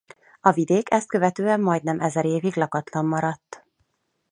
A vidék ezt követően majdnem ezer évig lakatlan maradt.